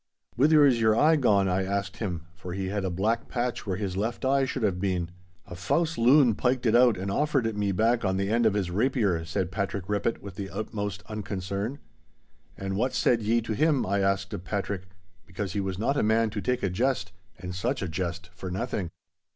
'Whither is your eye gone?' I asked him, for he had a black patch where his left eye should have been. 'A fause loon pyked it out and offered it me back on the end of his rapier!' said Patrick Rippett, with the utmost unconcern. 'And what said ye to him?' I asked of Patrick, because he was not a man to take a jest (and such a jest) for nothing.